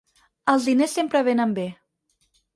Els diners sempre venen bé.